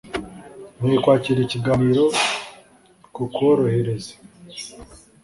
Nkwiye kwakira ikiganiro kukworohereza